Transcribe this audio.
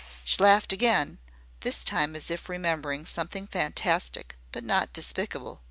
She laughed again, this time as if remembering something fantastic, but not despicable.